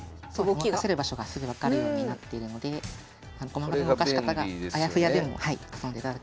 動かせる場所がすぐ分かるようになっているので駒の動かし方があやふやでも遊んでいただけるように。